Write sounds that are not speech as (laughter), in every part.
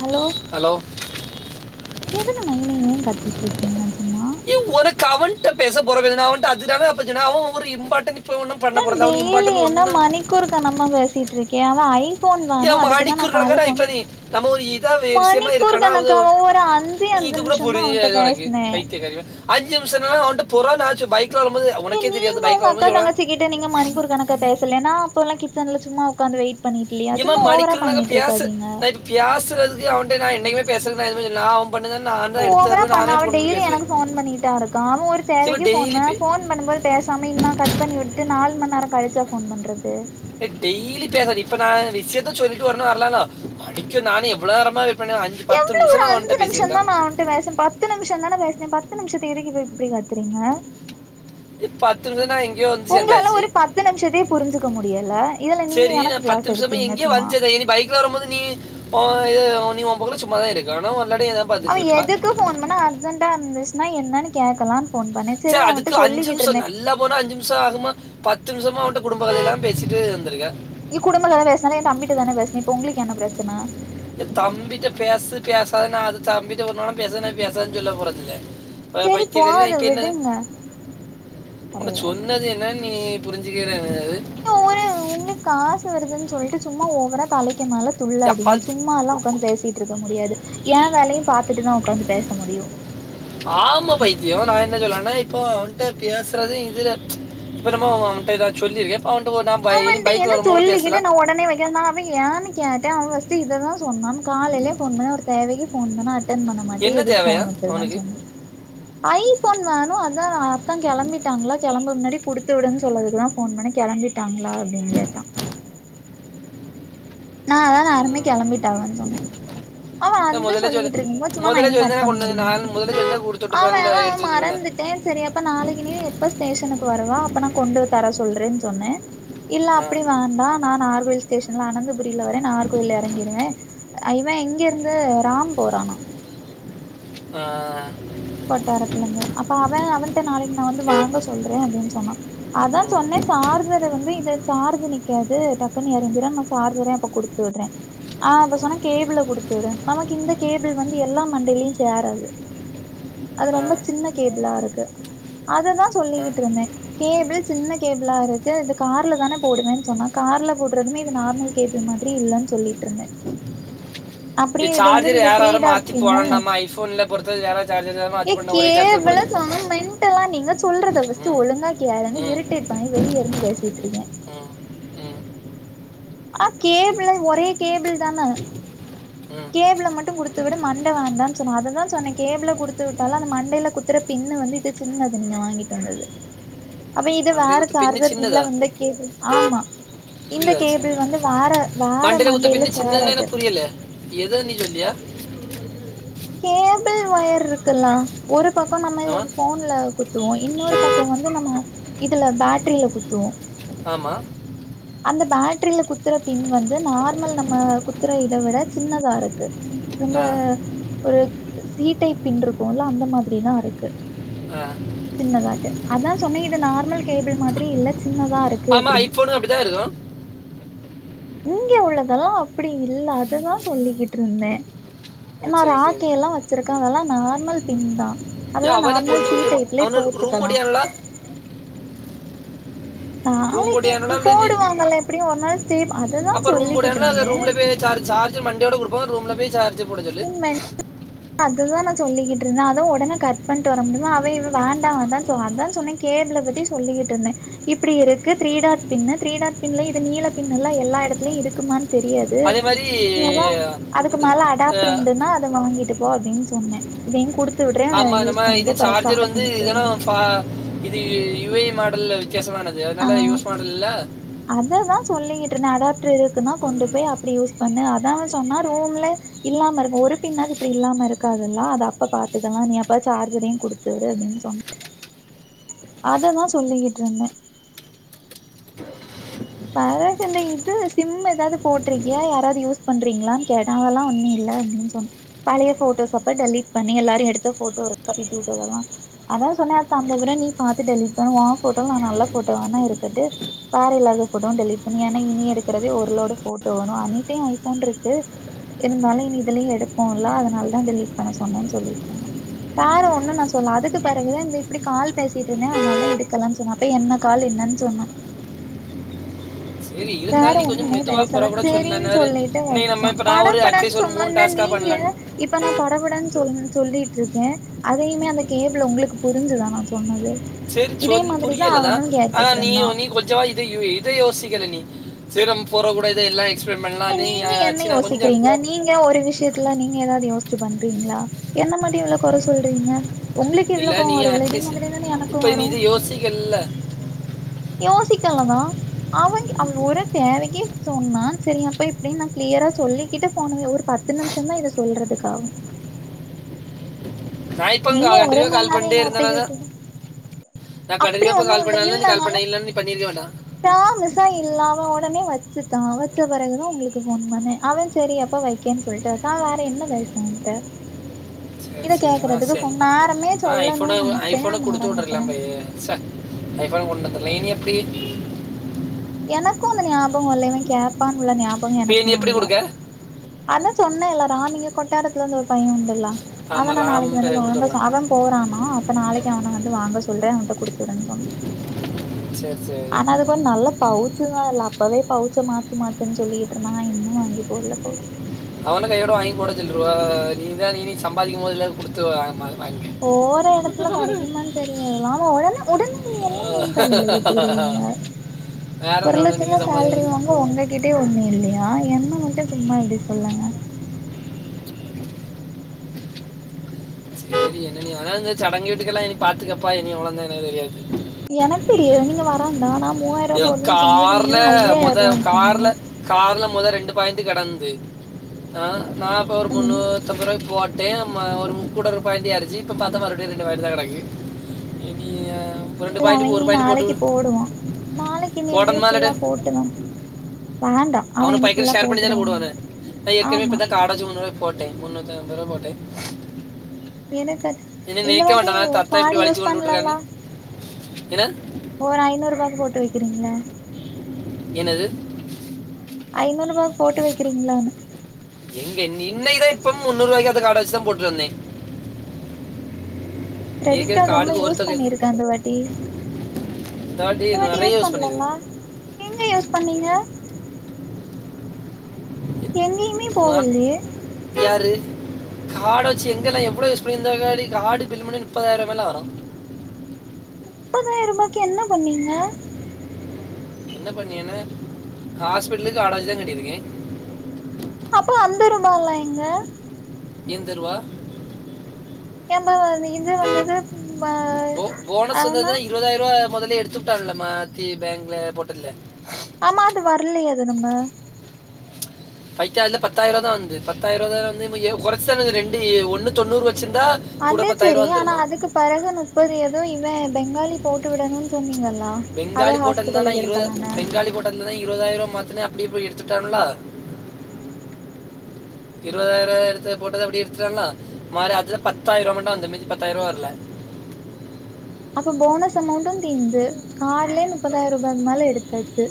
Hello hello எதுனமா நய் நய் நய் கத்திட்டு இருக்கீங்க சும்மா ய ஒன கவன் பேச போற அவண்ட அதுதான அப்ப சொன்ன அவ ஒரு இம்பார்டன்ட் நா டெய்லி என்ன மணிக்கொரு கனமா பேசிட்டு இருக்க கேவா ஐ ஏ மணிக்கு ஓர் கணக்கா இப்ப நம்ம இத விசயமா மணிக்கூர் இருக்கனா அத கணக்காவா ஒரு அஞ்சே நீ அஞ்சு இத கூட நிமிஷந்தா அவன்ட்ட புரியாது ஒனக்கு பேசுனே பைத்திய காரி அஞ்சு நிமிச அவன்ட்ட புரான ஆஜ பைக் ஏ நீங்க உங்க அக்கா தங்கச்சிக்கிட்ட நீங்க மணிக்கொரு கணக்கா பேசலன்னா அப்ப எல்லா கே ஸ்டாண்ட்ல சும்மா உக்காந்து வெய் ஏமா மணிக்கிறக்கு பேச நா இப்ப பேசறதுக்கு அவன்ட நா என்னைக்குமே பேச நான் எதுமே சொல்ல நா அவ ஓவரா பண்ண அவன் டெய்லி எனக்கு பேசுவேன் போன் பண்ணிட்டா இருக்கா அவன் ஒரு இவன் தேவைக்கு போன் டெய்லி போன் பண்ணும்போது பேசாம இன்னா கட் பண்ணி விட் நால் மணி நேர கழிச்சா ஃபோன் பண்றது டெய்லி பேசாது இப்ப நா விஷயத்த சொல்லின் வரும் வரலல அடிக்க நான எவ்ளோ நேரமா பண்ணேன் அஞ்சு பத்து எவ்வளோ ஒரு நிமிஷமா அஞ்சு அவன்கிட்ட நிமிஷந்தா பேசியிருக்கேன் நா அவன்ட பேச பத்து நிமிஷந்தான பேசுனே பத் பத்து நிமிஷத்திக்கு எதுக்கு போய் இப்படி கத்துறீங்க பத்து நிமிஷ நா எங்கயோ வந்து உங்களால சேந்தாச்சு ஒரு பத்து நிமிஷத்தையே புரிஞ்சுக்க முடியல இதுல நீங்க சரி ந எனக்கு பத்து கிளாஸ் நிமிஷமா எடுப்பீங்க எங்கயோ சும்மா வந்து சேந் இனி பைக்ல வரும்போது நீ ஒ இது நீ உ போக்குல சும்மாதா இருக்கு ஆனா விளையாடி எதாவது அவ பார்த்துட்டு இருப்பா எதுக்கு போன் பண்ணா அர்ஜென்டா இருந்துச்சு நா என்னன்னு கேக்கலா சரி அதுக்கு அஞ்சு நிமிச நல்லா போனா அஞ்சு நிமிஷ ஆகுமா பத் பத்து நிமிஷமா அவன்ட்ட குடும்ப கத எல்லா பேசிட்டு வந்திருக்க என் குடும்பங்கல தா பேசின இல்ல எ தம்பிட்ட தானே பேசுனே இப்போ உங்களுக்கு என்ன பிரச்சன எ தம்பிட்ட பேசு பேசு அத நா அது தம்பிட்டு ஒருநாளு பேச பேசாதன்னு சொல்ல போறதில்ல சரி பைக்க கததா போது இப்ப என்ன விடுங்க உன அப்டின்னாரு சொன்னது என்ன நீ புரிஞ்சுக்கிற ஒரு உங்களுக்கு காசு வருதுன் சொல்ட்டு சும்மா ஓவரா தலைக் (unintelligible) மேல துள்ளாதீங்க சும்மா எல்லா உக்காந்து பேசிட்ருக்க முடியாது எ வேலயு பாத்துட்டுதா உக்காந்து பேச முடியு ஆமா (unintelligible) நா என்ன சொல்லண்ணா இப்போ அவன்ட்ட பேசறது இதுல இப்ப நம்மோ அவ அவன்ட்ட எதா சொல்லிருக்கே அவ என்ட்ட என்ன சொல்லிக்கிட்டே நா ஒடனே வெக்கெ நா அவ ஏனு கேட்டே அவ ஃபஸ்ட்டு இததா சொன்னான் காலைலயே ஃபோன் பண் ஒரு தேவைகு ஃபோன் பண்ணா ட்டன் பண்ண மாட்டியே என்ன எதுக்கு தேவையா ஃபோன் வெச்சிருக்கன் அவனுக்கு சொன்னா ஐ ஃபோன் வேணு அதா அத்தான் கெளம்பிட்டாங்களா கெளம்ப முன்னாடி குடுத்து விடுன் சொல்லதுக்கு தா ஃபோன் பண்ணி கெளம்பி டாங் லா அப்டின் கேட்டா நா அதா யாருமே கொளம்பிட்ட உம், வந்தோனே அவ நான் வந்து முதல்ல சொல்லு சொல்லிகிட் இருந் சும்மா முதல்ல ந சொல்லி கட் பண்ண கொண்டு வந்து முடியுமா நான் முதல்ல சொல்லி அவ கொடுத்துட்ருப்பேன்ல அவ எடுத்து வந்துருப்பேன்ல மறந்துட்டே சரி எப்ப நாளக்கி நீ எப்ப ஸ்டேஷனுக் வருவா அப்ப நா கொண்டு தர சொல்றேன் சொன்னே இல்ல ஆ, அப்டி வேண்டா நா நார்வேல் ஸ்டேஷன்ல அன ல வர நாகர் கோயில்ல எறங்கிருவே இவ இங்கிருந்து ராம் போறானா ஆ கொட்டாரத்துல இருந்து அப்ப அவ அவன்ட்ட நாளைக்கு நா வந்து வாங்க சொல்றே அப்டின் சொன்னா அதா உம், சொன்னே சார்ஜர வந்து இத சார்ஜ் நிக்காது டக்குன்னு எறங்கிரு நா சார்ஜரே அப்ப குடுத்து விடுறே ஆ அப்ப உம், சொன்னா கேபிள குடுத்து விடுன் நமக்கு இந்த கேபிள் வந்து எல்லா மண்டையிலயு சேராது அது ஆ, ரொம்ப சின்ன கேபிளா இருக்கு அததா சொல்லி ஆ. கிட்ருந்தே கேபிள் சின்ன கேபிளா இருக்கு இது கார்ல தானே போடுவேன்னு சொன்னா கார்ல போடுறதுமே இது நார்மல் கேபிள் மாதிரி இல்லன் சொல்லிட்ருந்தே இது சார்ஜர் யாராரோ மாத்தி போடண்டாமா ஐ ஃபோன்ல பொறுத்த யாரா சார்ஜர் மாத்தி ஏ போடணும் ஒரே சார்ஜர் கேபிளு போடுது செம மெண்டலா நீங்க சொல்றத ஃபஸ்ட்டு ஒழுங்கா கேளுங்க இரிட்டேட் பண்ணாத வெளிய இருந்து பேசி ட்ருக்கே ஆ கேபிளு ஒரே கேபிள்தான கேபிள மட்டு குடுத்து விடு மண்ட வேண்டான் சொன்னா அததா சொன்னே கேபிள குடுத்து விட்டாலு அந்த மண்டையில குத்துற பின்னு வந்து இது சின்னது நீங்க வாங்கிட்டு வந்தது அப்ப இது மண்டை வேற குத்து பின்ன சார்ஜர் பின்ல சின்னதா வந்து கேபிள் ஆமா இந்த கேபிள் வந்து வேற வேற மண்டைல குத்த மண்டையில பின்னு சின்னதுனா என்ன சேராது புரியல எத நீ சொல்லியா கேபிள் ஒயர் இருக்குல்லா ஒரு பக்கோ நம்ம ஆமா எதாவது ஃபோன்ல குத்துவோ இன்னொரு பக்கோ வந்து நம்ம இதுல பேட்டரில குத்துவோ ஆமா அந்த பேட்டரில குத்துற பின் வந்து நார்மல் நம்ம குத்துற இதை விட சின்னதா இருக்கு ரொம்ப ஆ ஒரு சி டைப் பின் இருக்குல்ல அந்த மாதிரிதா இருக்கு ஆ சின்னதாட்டு அதா சொன்னே இது நார்மல் கேபிள் மாதிரி இல்ல சின்னதா இருக்கு ஆமா அப்டின்னு ஐபோன் அப்படிதா இருக்கு இங்க உள்ளதல்லா அப்படி இல்ல அததா சொல்லிக்கிட்ருந்தே ஓ நா சரி சரி ராக்கியெல்லா வச்சிருக்கே அதல்லா நார்மல் பின் தா ஏ அதெல்லா அவ என்ன நார்மல் சி சொல்றதுக்கு டைப்லே அவ என்ன ரூம் போட்டுக்கலா போட்டியான்ல்ல நாளைக்கி போடியானலா இல்லை நீ போடுவாங்கல்ல எப்டியு ஒரு நாள் சே அததா அப்போ ரூம் சொல்லிக்கிட்ருந்தே போ ரூம்ல போய் சார்ஜ் போட சொல்லு அதுதா நா சொல்லிக்கிட்ருந்த அத உடனே கட் பண்ட்டு வர முடியுமா அவ இவ வேண்டா அதா அதான் சொன்னே கேபிள பத்தி சொல்லிகிட்ருந்த இப்படி இருக்கு த்ரீடாட் பின்னு த்ரீடாட் பின்ல இது நீல பின்லா எல்லா எடத்துலியு இருக்குமான் தெரியாது அதே மாதிரி நீ ஏதா அதுக்கு மேல அடாப்ட்ரு இந்த உண்டுனா அத வாங்கிடு போ அப்டின் சொன்ன இதையு குடு ஆமா நம்ம இது சார்ஜர் வந்து இதனா நிக்குதுன்னு ஃபா இது விவே மாடல்ல வித்தியசமானது அதனால ஆ யூஸ் பாடுல்ல அததா சொல்லிக்கிட்ருந்த அடாப்ட்டருக்குனா கொண்டு போய் அப்படி யூஸ் பண்ணு அதா சொன்னா ரூம்லே இல்லாம இருக்கு ஒரு பின்னாது இப்படி இல்லாம இருக்காதுல்ல அத அப்ப பாத்துக்கலா நீ அப்ப சார்ஜரையு குடுத்து விடு அப்டின் சொன்ன அததா சொல்லிக்கிட்ருந்த பெறகு என்ன இது சிம் எதாது போட்ருக்கியா யாராவது யூஸ் பண்றீங்களானு கேட்ட அதெல்லா ஒன்னு இல்ல அப்டின் சொன்ன பழைய போட்டோஸ் அப்ப டெலீட் பண்ணி எல்லாரு எடுத்த போட்டோ இருக்கு அனுப்பிச்சு விட்டதெல்லா அதா சொன்ன அத அந்தவிட நீ பா்த்து டெலீட் பன்னு உன் போட்டோ நா நல்ல போட்டோ வேனா இருக்கட்டு வேற இல்லாத போட்டோவ டெலிட் பண்ணு ஏனா இனி எடுக்கறதே ஒரு லோடு போட்டோ வரு அனிட்ட ஐபோன்ருக்கு இருந்தாலு இனி இதுலயு எடுப்போல்ல அதனாலதா டெலிட் பண்ண சொன்னனு சொல்லிட்டுருந்தா வேற ஒன்னு நா சொல்ல அதுக்கு பெறகுதா இந்த இப்டி கால் பேசிட்டுருந்த அதனாலதா எடுக்கலனு சொன்ன அப்பயே என்ன கால் என்னன் சொன்னா சரி வேற இருந்தாலும் நீ கொஞ்சம் ஒண்ணுமே மெதுவா போற பேசல கூட சேரின் சொல்லனாரு சொல்லிட்டு நீ நம்ம வெச்சான் இப்ப நான் ஒரு அட்லீஸ்ட் ஒரு படபடன்சொன்னா மூணு என்னா டாஸ்கா நீங்க பண்ணலான்னு இப்ப நா படபடன் சொல் சொல்லிட்ருக்கே அதையுமே அந்த கேபிள் உங்களுக்கு புரிஞ்சுதா நா சொன்னது சேரி இதே சொல் மாதிரிதா புரியலதா அவனு ஆனா கேட்டுட்டு நீ இருந்தா நீ கொஞ்சவா இத இத யோசி க்கிற நீ சீரம் ஃபோரோ கூட இதையல்ல ஏ நீங்க என்ன யோசிக்கிறீங்க நீங்க ஒரு விஷயத்துல நீங்க நீ எதாவுது யோசிச்சு பண்றீங்களா என்ன மட்டு இவ்ளோ கொற சொல்றீங்க உங்களுக்கு இவ்ளோ இல்ல கோவோ நீ வருதுல இதே அட்லீஸ்ட் மாதிரி தானே எனக்கு இப்ப நீ வரு இத யோசிக்கல்ல யோசிக்கலதா அவன் அவ ஒரு தேவைக்கி சொன்னா சரி அப்ப இப்டின் நா க்ளியரா சொல்லிக்கிட்டு போன ஒரு பத்து நிம்ஷந்தா இத சொல்றதுக்கா நான் இப்ப நீங்க ஒரு கண்டினியூ மண் கால் நேரோ பண்ணிட்டே என்ன ஒத்தகி இருந்தனாதான் விட்டுட்டு நான் அப்படி கடையில் போய் ஒன்னு கால் இல்ல பண்ணாலும் நீ கால் இல்லனாலு பண்ண இல்லைன்னு நீ பண்ணியிருக்க வேண்டாம் ப்ராமிசா இல்ல அவ னே வெச்சுதா வெச்ச பெறகுதா உங்களுக்கு போன் பண்ணே அவன் சரி அப்ப வைக்கேன் சொல்லிட்டு நா வேற என்ன பேச அவன்ட இதக்கே ஆஹ சரி ஆஹ் ஐபோன நெனச்சே நா ஐபோன குடுத்து மறந்துட்டே உட்றலாமேயே ச்ச இப்ப கொண்டு வந்துல இனி எப்டி எனக்கு அந்த ஞாபகோல்ல இவன் கேட்பான் உள்ள ஞாப கோ இப்போ எனக்கு நீ எப்படி இல்ல கொடுக்க அதா சொன்னே இல்ல ராம் இங்க கொட்டாரத்துல இருந்து ஒரு பையன் உண்டுல்ல ஆமாம் அதனா நாளைக்கு ராம்கிட்ட வந்து கொடுத்து வாங்க விடலாம் சொன் அவன் போறானா இப்ப நாளைக்கு அவன வந்து வாங்க சொல்றேன் அவனிட்ட குடுத்து விடுங்கனு சொன்னா சரி சரி ஆனா அதுக்கு ஒரு நல்ல பவுச்சு தான் இல்ல அப்பவே பவுச்ச மாத் மாத்தன்னு சொல்லிக்கிட்டு இருந்தான் இன்னு வாங்கி போடல பவுச் அவன கையோட வாங்கி போடச்சில்ருவா நீதான் நீ இனி சம்பாதிக்கும் போது இல்ல குடுத்து வாங்மாற போற இடத்துல கிடைக்குமானு தெரியாதுல்லா ஆனா உடன உடனே நீ எல்லா என் தலைல கட்டிருவீங்க வேற என்ன ஒரு வேணும் லட்சந்தா நீங்கள் சேலரி சம்பாதிக்க வாங்க உங்ககிட்டயே ஒண்ணு இல்லையா என்ன மட்டும் சும்மா எப்டி சொல்லாங்க சேரி என்ன இனி ஆனா இந்த சடங்கு வீட்டுக்கெல்லா இனி பாத்துக்கப்பா இனி அவ்ளந்தா எனக்கு தெரியாது எனக்கு தெரியது நீங்க வரண்டா நாப் இ கார்ல முத ரூபான்னு சொன்னீங்க கார்ல கார்ல முதல் ரெண்டு பய்ந்து கிடந்து ஆஹ் நான்ப்ப ஒரு ம் முன்னூத்தம்புரூவாக்கு போட் தேமாரு கூட்ட பயண்டி ஆயிச்சு இப்ப பாத்தா மறுபடியும் ரெண்டு பாயிண்ட் தான் கிடக்கு அஹ், நீ ரெண்டு இல்லாமே பாயிண்ட் ஒரு இனி பாயிண்ட் போட்டு நாளைக்கு போடுவோம் நாளைக்கு இனி எப்படியோ போட்டோம்னாலடு ஃபுல்லா போட்டுதான் வேண்டா அவன் அவனு இனி பயங்கர ஃபுல்லா ஷேர் பண்ணி தானே போட்டுட்டுதான் உடு ஆமா போட்டே முன்னூத்தம்பதுருவா போட்டே எதுக்கட் இந்த வாட்டி நான் கார்டு யூஸ் பண்ணலல்ல என்னது ஒரு ஐநூறு ரூபாக்கு போட்டு வைக்கிறீங்களா என்னது ஐநூறு ரூபாக்கு போட்டு வைக்கிறீங்களான்னு எங்கன் இன்னக்கி இப்ப முன்னூறு ரூபாய்க அத காட வச்சுதான் போட்டுட்டு வந்தே கிரெடிட் கார்ட் ரொம்ப யூஸ் பண்ணிருக்கான் இந்த வாட்டி தேர்ட்டி இந்த வாட்டி நிறைய யூஸ் பண்ணலல்ல பண்ணியிருக்கு நீங்க யூஸ் பண்ணீங்க எங்கேயுமே போகல்லியே காடு வச்சு எங்கல்லா எவ்ளோ யூஸ் பண்ணிருந்தா காடு பில்லுமண்ணு முப்பதாயிரம் ரூவா எல்லா வரும் முப்பதாயிரம் ரூபாய்க்கு என்ன பண்ணீங்க என்ன பண்ணியன்னா ஹாஸ்பிட்டலுக்கு ஆடகு தான் கட்டிருக்கே அப்போ அந்த ரூபால்லா எங்க எந்த ரூபா எந்தமாதி இது வந்தது ப அதனா முதலே எடுத்து புட்டால மாத்தி பேங்கல போட்டல ஆமா அது வரலையது நம்ம பைக்காதுல பத்தாயிரம் தான் வந்து பத்தாயிர தான் வந்தும் ஏ கொடசெல்லவுக்கு ஏ ரெண்டு ஒண்ணு தொண்ணூறு வந்து அதே செரி ஆனா அதுக்கு பிறகு முப்பது ஏதோ இவன் பெங்காலி போட்டு விடணும்னு சொன்னீங்கல் பெங்காலி போட்டருந்த நா இருவது பெங்காலி போட்டந்துதான் இருபதாயிரம் மாத்துன அப்டியே போய் எடுத்துட்டானுலா ம் இருபதாய ரூபாய எடுத்து போட்டத அப்டி எடுத்துட்டாங்கானா மாறி அதுதா பத்தாயி ரூபா மட்டும் வந்த மிஞ்சி பத்தாய ரூபா வர்ல அப்ப போனஸ் அமௌண்ட்டும் தீந்து கார்டுலே முப்பதாய ரூபாய்க்கு மேல எடுத்தாச்சு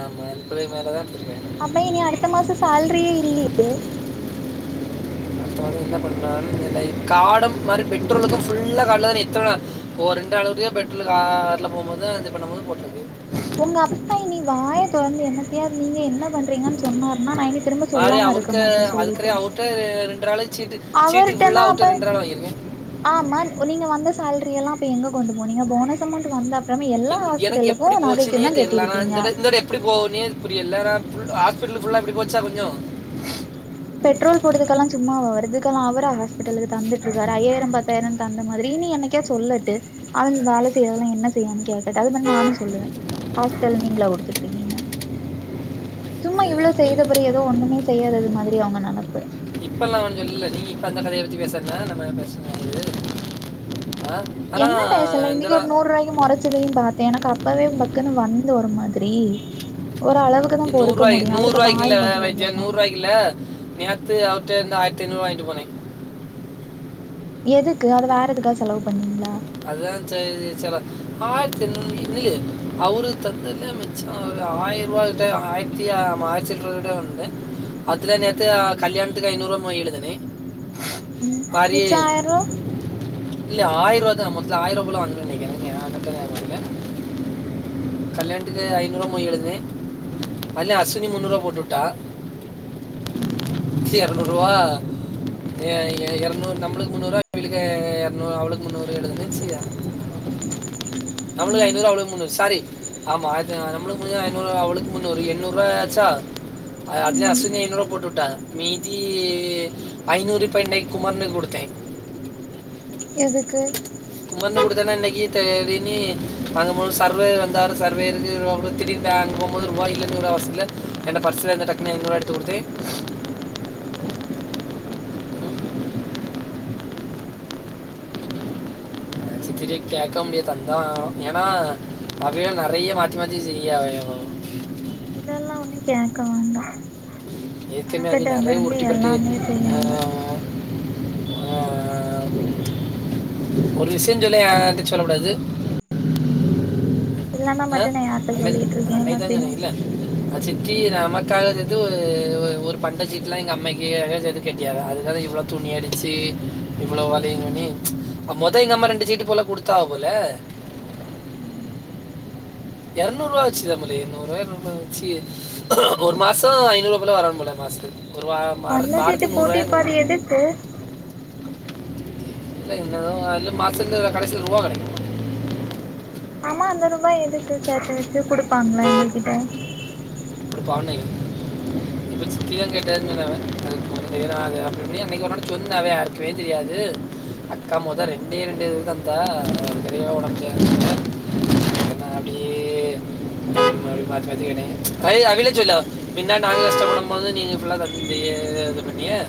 ஆமா முப்பதாயிரத்துக்கு மேல தான் எடுத்துருக்கேன் அப்பா இனி அடுத்த மாசம் சேல்ரியே இல்லியே அடுத்த மாசோ என்ன பண்றார்னு தெர்ல காடம் மாரி பெட்ரோலுக்கு ஃபுல்லா காட்ல தானே எத்தன ஒரு ரெண்டாள் ஒட்டியே பெட்ரோல் கார்ல போம்போது தா இது பண்ணும் போது போட்ருக்கு இப்ப வந்து என்னத்தையோர் நீங்க என்ன பண்றீங்கன் சொன்னாருனா நா எங்க மாறி அவருக்கு அதுக்குறே அவுட்டு ரெண்டு நாளை சீ அவர்டேனா அப்ப ஆமா ஓ நீங்க வந்து சேல்ரியல்லா அப்ப எங்க கொண்டு போனிங்க போனஸ் அமௌண்ட் வந்தப் எ எனக்கு எப்படி போச்சுனே தெர்லனா கட்டிருக்கீங்க இந்தட இந்தட எப்புடி போகுனே புரியல நா ஃபுல் ஆஸ் பிட்லு ஃபுல்லா இப்டி போச்சா கொஞ்சோ பெட்ரோல் போடதுக்கெல்லா சும்மா வருதுக்கெல்லா அவரா ஹாஸ்பிட்டலுக்கு தந்துட்டு இருக்காரு ஐயாயிரம் பத்தாயிரம் தந்த மாதிரி நீ எனைக்கே சொல்லட்டு அவன் வேல செய்யதெல்லா என்ன செய்வானு கேட்டுட்ட அது மாரி நானும் சொல்லுவே ஹாஸ்பிட்டல் நீங்களா குடுத்துட்டுருக்கீங்க சும்மா அது இவ்வளோ செய்த பிற அப்படி எதோ ஒண்ணுமே செய்யாதது மாதி ரி அவங்க நனப்பு இப்பல்லா ஒன்னு சொல்லல நீ இப்ப அந்த கதைய பத்தி பேசறத நா நா பேசுனது என்ன பேசல இன்னைக்கு ஒரு நூறுபாய்க்கு மொறச்சதையு பாத்தே எனக்கு அப் பவே பக்குன்னு வந்து ஒரு மாதிரி ஓரளவுக் நீ நூறுவாய் நூறுவாய்க்குல்ல வைஜா தா நூறுவாய்குல நேத்து அவர்ட்ட இருந்து ஆயிரத்தைநூருவா வா ங்கி போனே எதுக்கு அது வேற எதுக்கா செலவு பண்ணீங்களா அதான் சேரி செல ஆ தின் இல்லியே அவரு தந்தன்ன மிச்சோ ஒரு ஆயரூபா கிட்ட ஆயிரத்தி அ ஆமா ஆயிரத்தி எட்நூறு கிட்ட உண்டு அதுல நேத்து அ கல்யாணத்துக்கு ஐநூரூவா மொய் எழுதுனே ம் மிச்சம் ஆயரூவா இல்ல ஆயருவா தா மொத்த ஆயிரூவாக்குள வாங்குனனு நெனைக்கே (unintelligible) கல்யாணத்துக்கு ஐநூருவா மொய் எழுதுனே (unintelligible) அஸ்வினி முன்னூரூவா போட்டுவுட்டா ம் மிச்ச எரநூரூவா ஏ ஏ எரநூறு நம்மளுக்கு முன்னூறுவா அவியலுக்கு எரநூறு அவளுக்கு முன்னூறு மொய் எழுதுனே செய்யா நம்மளுக்கு ம் ஐநூறு அவளுக்கு முன்னூறு சாரி ஆமா ஆயரத்தி அ நம்மளுக்கு முடிஞ்ச ஐநூருவா அவளுக்கு முஞ்ச ஒரு எண்ணூருவாயாச்சா அ அதுலே ம் அஸ்வினி ஐநூருவா போட்டு வுட்டா மீதி ஐநூறு பன்னைக் குமார் அண்ணனு குடுத்தே எதுக்கு குமார் ணே குடுத்தன்னா இன்னைக்கு தெதீனு வாங்கம்போது சர்வே வந்தாரு சர்வேருக்கு (unintelligible) திடீர்னு பேங்கு போம்போது ரூபாய் இல்லனு வர அவசரத்துல என்ட பர்சலந்த டக்குனு ஐநூருவா எடுத்து குடுத்தே சித்திடே கேக்க முடியா தந்தா வாங் ஏனா அவிய நெறைய மாத்தி மாத்தி செய்யறாக இதெல்லா ஒண்ணு கேக்க வேண்டா ஏற்கன்வே அவிய மெனக்கெட்டு நெறைய வந்திருந்து உருட்டி பெரட்டி எல்லாமே செய்யாங்க அஹ் ஆஹ் ஒரு விஷயம் சொல்லுவ யார்டயு சொல்ல கூடாது இல்லன்னா மட்டு ஆஹ் நா யார்ட்ட அன்னைக்த சொல்லிட்ருக்கே அன்னைக்தா எல்லாத்தையு சொன்ன இல்ல (unintelligible) சித்தி நமக்காக சேத்து ஒ ஒரு பண்டொ சீட்டுல்லா எங்க அம்மைக்கு நக சேத்து கெட்டியாக அதுக்காக இவ்வளோ துணி அடிச்சு இவ்வளோ வளையும் பண்ணி மொத எங்க அம்மா ரெண்டு சீட்டு போல குடுத்தா போல ம் எரநூறுவா வச்சு (unintelligible) எறநூறுவாயோ எரநூறு ரூபா வச்சு ஒரு மாசம் ஐநூறுபலாம் வரா போல மாசத்துக்கு ஒரு வா மார பண்ண சீட்டு வாரத்து நூறுவா போட்டு இப்ப அது எதுக்கு (unintelligible) இல்ல என்னதா இல்ல மாசத்துல கடைசி ரூவா கெடைக்கு ஆமா அந்தரூபாய் எதுக்கு சேத்து வச் சு குடுப்பாங்களல இவங்க கிட்ட பாவோ இன்னக்கி இப்ப சித்திதா கேட்டாதா சொன்னா அவே அதுக்கு ஒண்ணு தெரியாது ஏன்னா அது அப்டி இப்டி அன்னக்கி ஒரு நாள் சொன்ன அவே யாருக்குமே தெரியாது அக்கா மொத ம் ரெண்டே ரெண்டு இது தந்தா பெரியவ ஒடம்பு சரியில்ல நா அப்டியே அப்டி மாத்தி மாத்தி என்னய பைல அவிலச் சொல்லு பின்ன நாங்க கஷ்டப்படும்போது நீங்க ஃபுல்லா தந்து இது பண்ணிய